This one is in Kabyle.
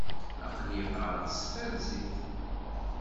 Aql-iyi qqareɣ s tfarsit.